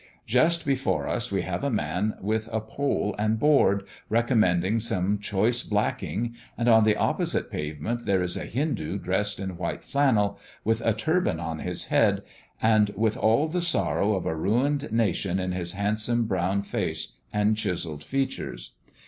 Just before us we have a man with a pole and board, recommending some choice blacking, and on the opposite pavement there is a Hindoo dressed in white flannel, with a turban on his head, and with all the sorrow of a ruined nation in his handsome brown face and chiselled features.